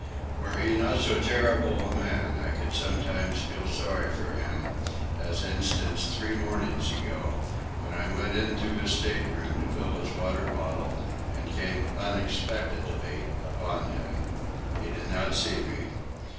Were he not so terrible a man, I could sometimes feel sorry for him, as instance three mornings ago, when I went into his stateroom to fill his water bottle and came unexpectedly upon him. He did not see me.